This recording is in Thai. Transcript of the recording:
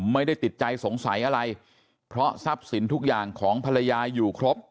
ไม่ได้ติดใจสงสัยอะไรเพราะทรัพย์สินทุกอย่างของภรรยาอยู่ครบ